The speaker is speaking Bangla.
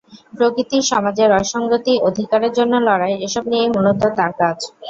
প্রকৃতি, সমাজের অসংগতি, অধিকারের জন্য লড়াই এসব নিয়েই মূলত তাঁর কাজ।